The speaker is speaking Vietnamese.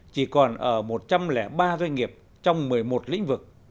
chỉ còn ở một trăm linh ba doanh nghiệp trong một mươi một lĩnh vực